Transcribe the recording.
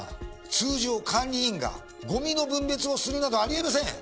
通常管理員がゴミの分別をするなどあり得ません。